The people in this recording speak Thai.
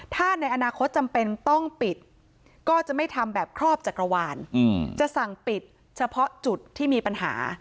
ถ้าในอนาคตจำเป็นต้องปิดก็จะไม่ทำแบบครอบจักรวาลจะสั่งปิดเฉพาะจุดที่มีปัญหา